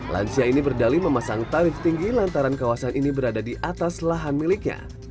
lansia ini berdali memasang tarif tinggi lantaran kawasan ini berada di atas lahan miliknya